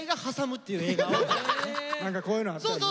何かこういうのあったよね。